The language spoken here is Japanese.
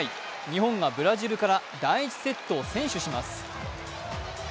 日本がブラジルから第１セットを先取します。